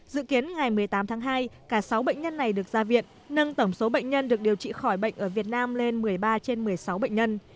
dự kiến ngày một mươi tám tháng hai cả sáu bệnh nhân này được ra viện nâng tổng số bệnh nhân được điều trị khỏi bệnh ở việt nam lên một mươi ba trên một mươi sáu bệnh nhân